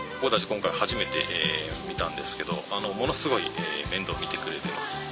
今回初めて見たんですけどものすごい面倒見てくれてます。